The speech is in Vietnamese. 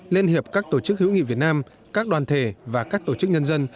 liên hiệp các tổ chức hữu nghị việt nam các đoàn thể và các tổ chức nhân dân